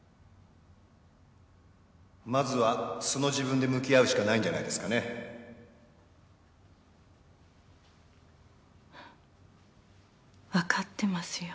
まずは素の自分で向き合うしかないんじゃないですかね分かってますよ。